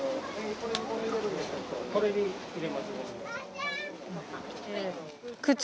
これに入れますゴミを。